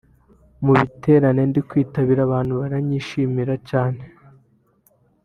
Mu biterane ndi kwitabira abantu baranyishimira cyaneee